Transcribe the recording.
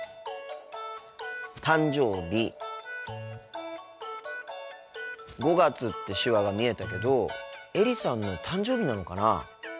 「誕生日」「５月」って手話が見えたけどエリさんの誕生日なのかな？